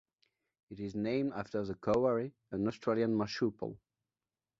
It is named after the kowari, an Australian marsupial.